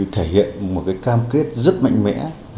thể hiện một cam kết rất mạnh mẽ